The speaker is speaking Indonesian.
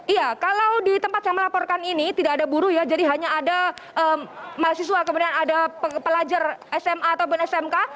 iya kalau di tempat saya melaporkan ini tidak ada buruh ya jadi hanya ada mahasiswa kemudian ada pelajar sma ataupun smk